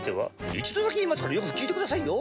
一度だけ言いますからよく聞いてくださいよ。